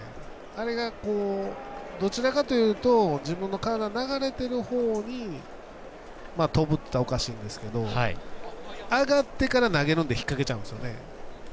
あれが、どちらかというと自分の体流れているほうに飛ぶっていったらおかしんですけど上がってから投げるので引っ掛けちゃうんですよね。